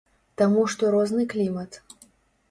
Таму што розны клімат.